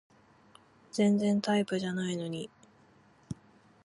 全然タイプじゃないのに